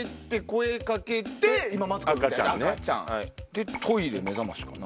でトイレ目覚ましかな。